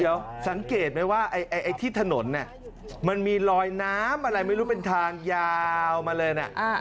เดี๋ยวสังเกตไหมว่าไอ้ที่ถนนมันมีลอยน้ำอะไรไม่รู้เป็นทางยาวมาเลยนะ